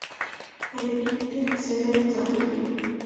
El equipo tiene sede en San Felipe.